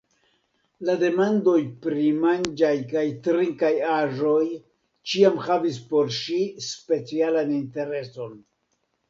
La demandoj pri manĝaj kaj trinkaj aĵoj ĉiam havis por ŝi specialan intereson.